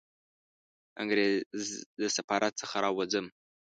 د انګریز له سفارت څخه را ووځم.